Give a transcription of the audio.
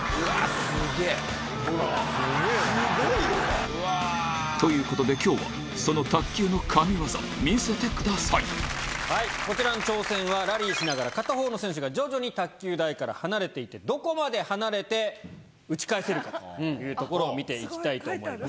スゴいよね。ということで今日はそのこちらの挑戦はラリーしながら片方の選手が徐々に卓球台から離れていってどこまで離れて打ち返せるかというところを見ていきたいと思います